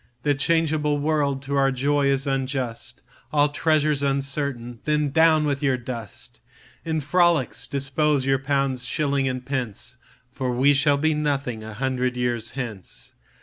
The changeable world to our joy is unjust, All treasure's uncertain, Then down with your dust! In frolics dispose your pounds, shillings, and pence, For we shall be nothing a hundred years hence.